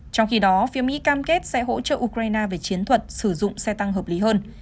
trong khi đó phía mỹ cam kết sẽ hỗ trợ ukraine về chiến thuật sử dụng xe tăng hợp lý hơn